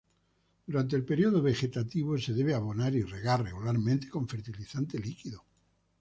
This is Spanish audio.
Durante el período vegetativo se debe abonar y regar regularmente con fertilizante líquido.